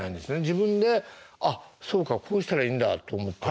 自分で「あそうかこうしたらいいんだ」と思った？